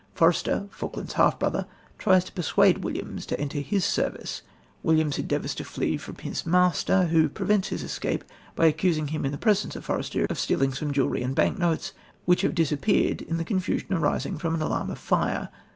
Forester, Falkland's half brother, tries to persuade Williams to enter his service. Williams endeavours to flee from his master, who prevents his escape by accusing him, in the presence of Forester, of stealing some jewellery and bank notes which have disappeared in the confusion arising from an alarm of fire.